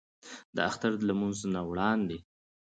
د اختر د لمونځ نه وړاندې